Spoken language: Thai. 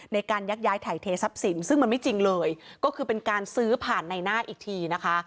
ในการยักย้ายถ่ายเททรัพย์สินซึ่งมันไม่จริงเลยก็คือเป็นการซื้อผ่านในหน้าอีกทีนะคะ